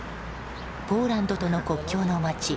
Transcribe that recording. ポーランドとの国境の街